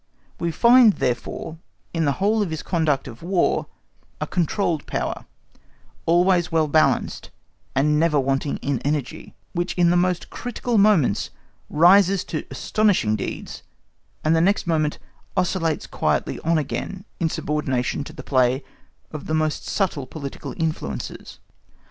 We find, therefore, in the whole of his conduct of War, a controlled power, always well balanced, and never wanting in energy, which in the most critical moments rises to astonishing deeds, and the next moment oscillates quietly on again in subordination to the play of the most subtle political influences.